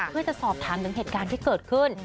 เพื่อจะสอบถามถึงเหตุการณ์ที่เกิดขึ้น